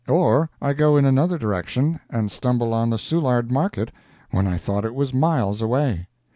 Or I go in another direction and stumble on the Soulard Market, when I thought it was miles away.